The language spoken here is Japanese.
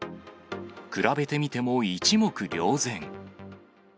比べてみても一目瞭然。